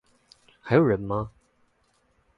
還有人嗎？